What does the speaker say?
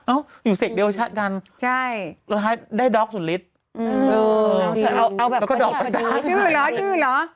เอ้าอยู่เศษเดียวชัดกันเราได้ดอกสุฤษฎีจริงแล้วก็ดอกไปแต้งให้มันให้เยอะ